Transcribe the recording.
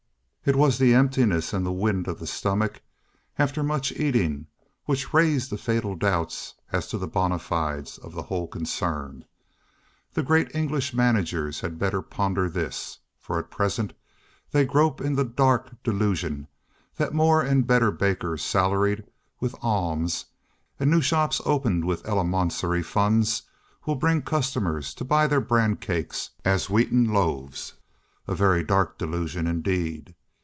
It was the emptiness and the wind on the stomach after much eating, which raised the fatal doubts as to the bona fides of the whole concern. The great English managers had better ponder this; for at present they grope in the dark delusion that more and better bakers salaried with alms, and new shops opened with eleemosynary funds will bring customers to buy their bran cakes as wheaten loaves. A very dark delusion, indeed!